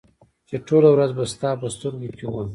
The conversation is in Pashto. چې ټوله ورځ به ستا په سترګو کې وه